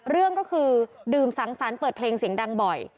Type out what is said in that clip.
เรื่องก็คือดื่มสังสรรค์เปิดเพลงเสียงดังบ่อย